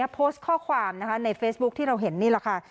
โพสต์ข้อความในเฟซบุ๊คที่เราเห็นนี่แหละค่ะ